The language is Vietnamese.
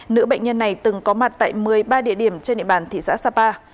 nữ bệnh nhân này từng có mặt tại một mươi ba địa điểm trên địa bàn thị xã sapa